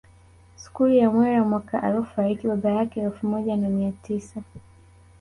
Skuli ya Mwera mwaka aliofariki baba yake elfu moja na mia tisa